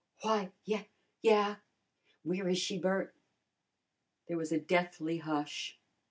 "Why, ye yeah." "Where is she, Bert?" There was a deathly hush.